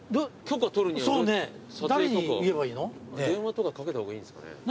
電話とかかけた方がいいんすかね。